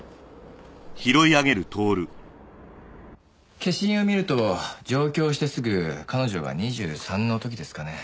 消印を見ると上京してすぐ彼女が２３の時ですかね